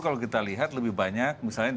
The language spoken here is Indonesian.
kalau kita lihat lebih banyak misalnya